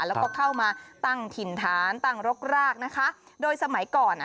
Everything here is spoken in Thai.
แล้วก็เข้ามาตั้งถิ่นฐานตั้งรกรากนะคะโดยสมัยก่อนอ่ะ